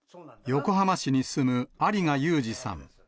横浜市に住む有賀ゆうじさん。